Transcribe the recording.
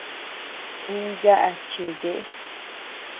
Un yaʼa cheete.